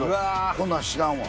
こんなん知らんわ。